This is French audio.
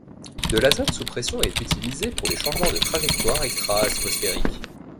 De l'azote sous pression est utilisé pour les changements de trajectoire extra-atmosphériques.